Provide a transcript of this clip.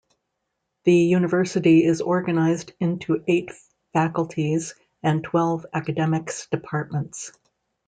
The university is organized into eight faculties and twelve academics departments.